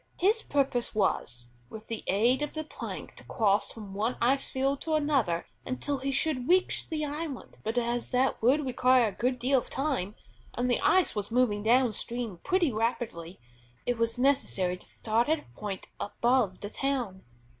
His purpose was, with the aid of the plank to cross from one ice field to another until he should reach the island; but as that would require a good deal of time, and the ice was moving down stream pretty rapidly, it was necessary to start at a point above the town.